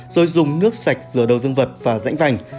rồi dùng nước sạch rửa đầu dương vật và rãnh vành